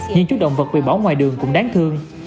hiện chú động vật bị bỏ ngoài đường cũng đáng thương